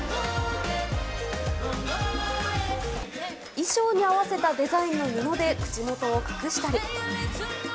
衣装に合わせたデザインの布で口元を隠したり。